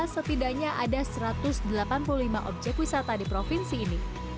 setidaknya ada satu ratus delapan puluh lima objek wisata di provinsi ini